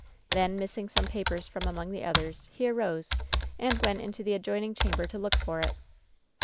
Then, missing some papers from among the others, he arose and went into the adjoining chamber to look for it.